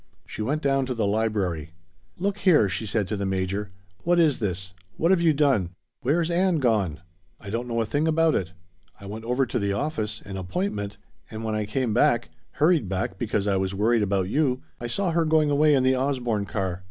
She went down to the library. "Look here," she said to the Major, "what is this? What have you done? Where's Ann gone?" "I don't know a thing about it. I went over to the office an appointment and when I came back hurried back because I was worried about you I saw her going away in the Osborne car."